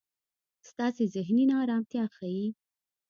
ستاسې زهني نا ارمتیا ښي.